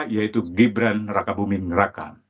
yaitu gibran raka buming raka